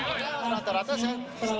karena udah kasar lah dengan kondisi track